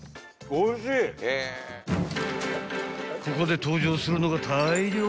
［ここで登場するのが］